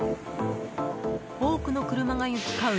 多くの車が行き交う